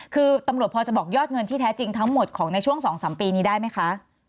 คือตำรวจพอจะบอกยอดเงินที่แท้จริงทั้งหมดของในช่วง๒๓ปีนี้ได้ไหมคะ